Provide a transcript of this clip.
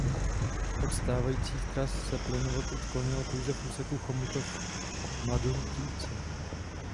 Od stávajících tras se plynovod odklonil pouze v úseku Chomutov–Mladotice.